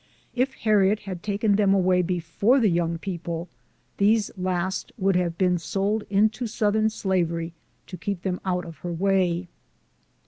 If Harriet had taken them away be fore the young people, these last would have been sold into Southern slavery, to keep them out of her way.